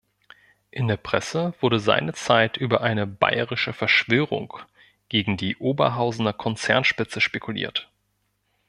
In der Presse wurde seinerzeit über eine „bayerische Verschwörung“ gegen die Oberhausener Konzernspitze spekuliert.